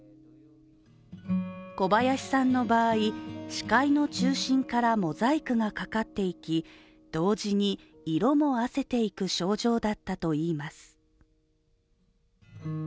小林さんの場合、視界の中心からモザイクがかかっていき同時に色もあせていく症状だったといいます。